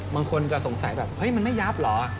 บางคนก็สงสัยแบบเฮ้ยมันไม่ยับเหรอ